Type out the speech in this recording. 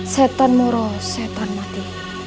setan moro setan mati